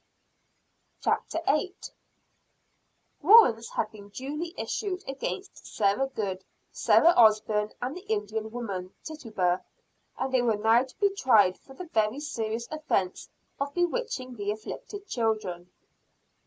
CHAPTER VIII. An Examination of Reputed Witches. Warrants had been duly issued against Sarah Good, Sarah Osburn, and the Indian woman Tituba, and they were now to be tried for the very serious offence of bewitching the "afflicted children."